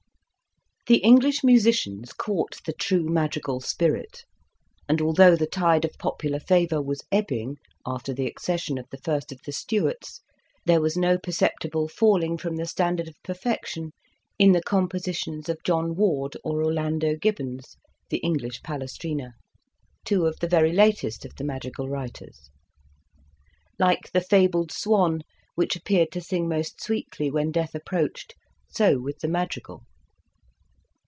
The English musicians caught the true mad rigal spirit, and although the tide of popular favour was ebbing after the accession of the first of the Stuarts, there was no perceptible falling from the standard of perfection in the com positions of John Ward or Orlando Gibbons (the English Palestrina), two of the very latest of the madrigal writers. Like the fabled swan which appeared to sing most sweetly when death approached, so with the madrigal.